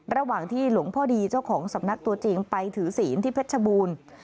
ระหว่างที่หลวงพ่อดีเจ้าของสำนักตัวจริงไปถือศีลที่เพชรบูรณ์